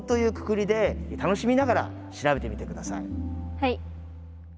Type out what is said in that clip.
はい。